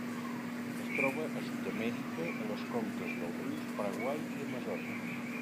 Es troba a Sud-amèrica, a les conques dels rius Paraguai i Amazones.